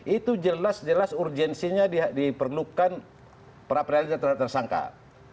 itu jelas jelas urgensinya diperlukan prapradino yang tersanggah